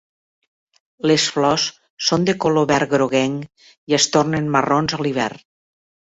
Les flors són de color verd groguenc i es tornen marrons a l'hivern.